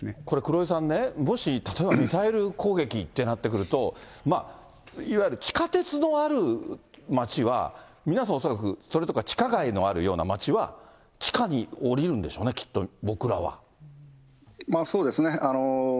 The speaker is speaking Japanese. これ、黒井さんね、もし例えばミサイル攻撃ってなってくると、いわゆる地下鉄のある街は、皆さん恐らく、それとか地下街のあるような町は、地下に下りるんでしょうね、きっそうですね。